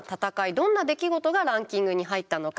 どんな出来事がランキングに入ったのか。